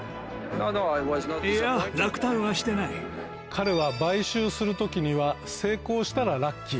彼は買収する時には成功したらラッキー。